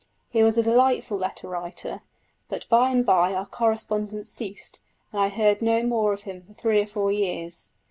He was a delightful letter writer, but by and bye our correspondence ceased and I heard no more of him for three or four years.